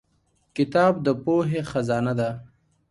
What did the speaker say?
کتاب د پوهې خزانه ده.